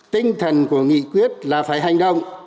tinh thần của nghị quyết là phải hành động